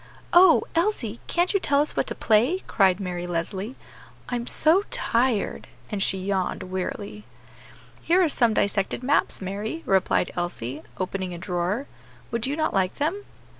"Oh! Elsie, can't you tell us what to play?" cried Mary Leslie; "I'm so tired," and she yawned wearily. "Here are some dissected maps, Mary," replied Elsie, opening a drawer; "would you not like them?"